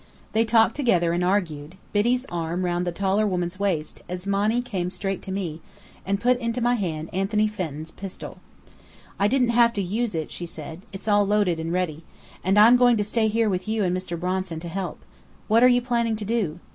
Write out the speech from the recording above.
They talked together and argued, Biddy's arm round the taller woman's waist, as Monny came straight to me, and put into my hand Anthony Fenton's pistol. "I didn't have to use it," she said. "It's all loaded and ready. And I'm going to stay here with you and Mr. Bronson, to help. What are you planning to do?"